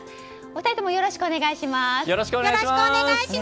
お二人ともよろしくお願いします。